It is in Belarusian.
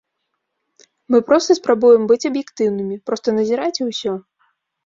Мы проста спрабуем быць аб'ектыўнымі, проста назіраць і ўсё.